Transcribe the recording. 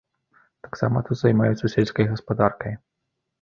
Таксама тут займаюцца сельскай гаспадаркай.